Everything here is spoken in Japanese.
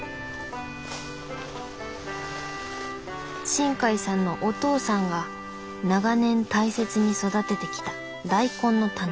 新海さんのお父さんが長年大切に育ててきた大根のタネ。